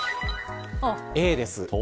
Ａです。